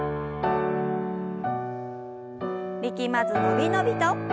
力まず伸び伸びと。